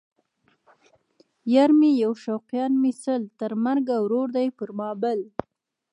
یار مې یو شوقیان مې سل ـ تر مرګه ورور دی پر ما بل